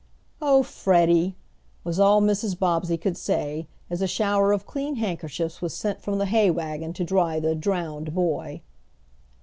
"Oh, Freddie!" was all Mrs. Bobbsey could say, as a shower of clean handkerchiefs was sent from the hay wagon to dry the "drowned" boy.